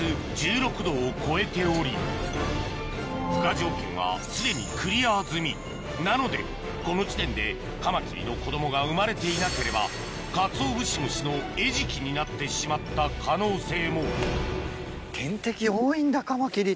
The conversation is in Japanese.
時期的にもすでになのでこの時点でカマキリの子供が生まれていなければカツオブシムシの餌食になってしまった可能性も大変ですね。